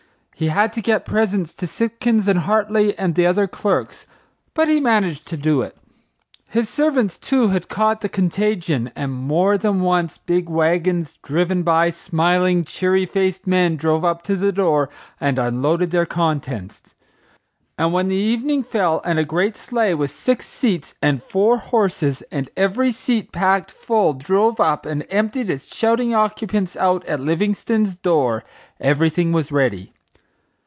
He had to get presents to Sipkins and Hartly and the other clerks; but he managed to do it. His servants, too, had caught the contagion, and more than once big wagons driven by smiling, cheery faced men drove up to the door and unloaded their contents. And when the evening fell and a great sleigh with six seats and four horses, and every seat packed full, drove up and emptied its shouting occupants out at Livingstone's door everything was ready.